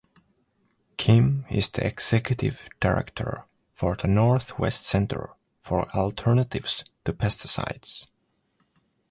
Kim is the Executive Director for the Northwest Center for Alternatives to Pesticides.